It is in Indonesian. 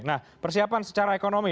nah persiapan secara ekonomi